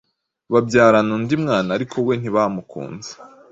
babyarana undi mwana ariko we ntibamukunze